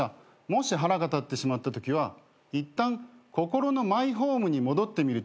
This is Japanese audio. もし腹が立ってしまったときはいったん心のマイホームに戻ってみるといいよ。